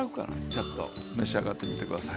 ちょっと召し上がってみて下さい。